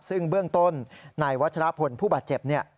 ซึ่งเบื้องต้นนายวัชรพลผู้บาดเจ็บเนี่ย